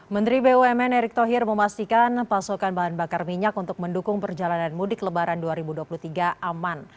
menteri bumn erick thohir memastikan pasokan bahan bakar minyak untuk mendukung perjalanan mudik lebaran dua ribu dua puluh tiga aman